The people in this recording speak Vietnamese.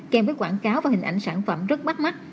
kèm với quảng cáo và hình ảnh sản phẩm rất bắt mắt